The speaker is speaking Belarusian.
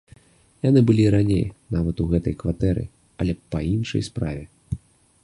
Яны былі і раней, нават у гэтай кватэры, але па іншай справе.